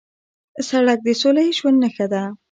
سړک د سولهییز ژوند نښه ده.